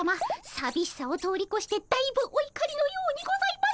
さびしさを通り越してだいぶおいかりのようにございます。